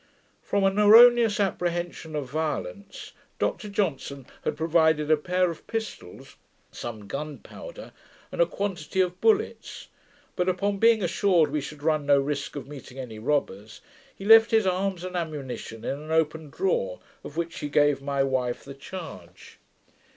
From an erroneous apprehension of violence, Dr Johnson had provided a pair of pistols, some gun powder, and a quantity of bullets: but upon being assured we should run no risk of meeting any robbers, he left his arms and ammunition in an open drawer, of which he gave my wife the charge.